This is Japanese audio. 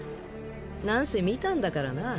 なんせ見たんだからな。